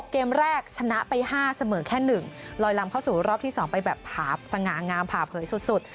เกมแรกชนะไป๕เสมอแค่๑ลอยลำเข้าสู่รอบที่๒ไปแบบสง่างามผ่าเผยสุด